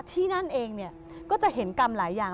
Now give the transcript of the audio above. ที่นั่นเองเนี่ยก็จะเห็นกรรมหลายอย่าง